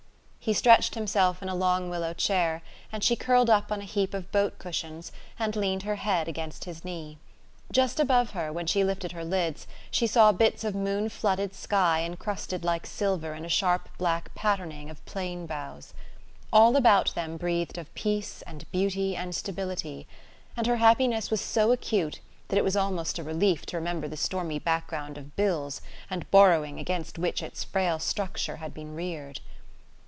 He stretched himself in a long willow chair, and she curled up on a heap of boat cushions and leaned her head against his knee. Just above her, when she lifted her lids, she saw bits of moon flooded sky incrusted like silver in a sharp black patterning of plane boughs. All about them breathed of peace and beauty and stability, and her happiness was so acute that it was almost a relief to remember the stormy background of bills and borrowing against which its frail structure had been reared.